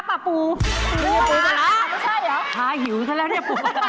ป้าหิวเท่าไหร่เนี่ยปูปลาร้าเนี่ย